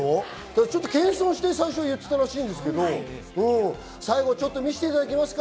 ちょっと謙遜して言ってたらしいんですけど、最後ちょっと見せていただけますか？